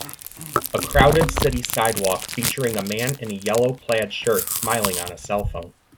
A crowded city sidewalk featuring a man in a yellow plaid shirt smiling on a cellphone.